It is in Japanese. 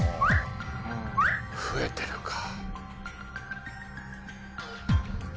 増えてるか。